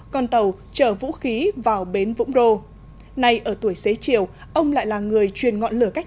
con tàu chở vũ khí vào bến vũng rô nay ở tuổi xế chiều ông lại là người truyền ngọn lửa cách